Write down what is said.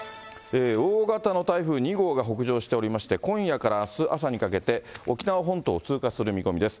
大型の台風２号が北上しておりまして、今夜からあす朝にかけて、沖縄本島を通過する見込みです。